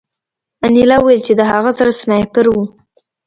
انیلا وویل چې د هغه سره سنایپر و